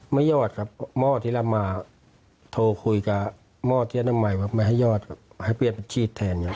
ไม่ยอดครับเพราะเมื่ออาทิตย์ลำมาโทรคุยกับเมื่ออาทิตย์อนามัยว่าไม่ให้ยอดให้เปลี่ยนเป็นฉีดแทนครับ